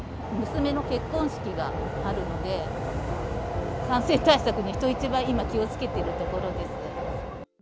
娘の結婚式があるので、感染対策に人一倍、今、気をつけているところです。